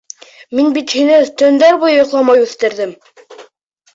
Мин бит һине төндәр буйы йоҡламай үҫтерҙем...